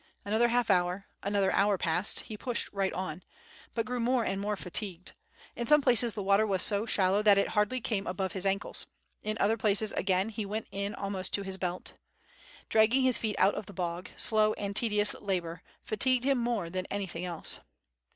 Another half hour, another hour passed, he pushed right on, but grew more and more fatigued; in some places the water was so shallow that it hardly came above his ankles; in other places again, he went in almost to his belt. Dragging his feet out of the bog, slow and tedious labor, fatigued him more than anything else.